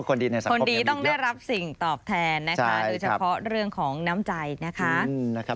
คนดีต้องได้รับสิ่งตอบแทนนะคะโดยเฉพาะเรื่องของน้ำใจนะคะ